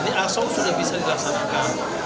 ini aso sudah bisa dilaksanakan